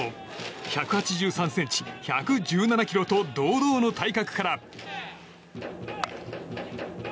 １８３ｃｍ、１１７ｋｇと堂々の体格から。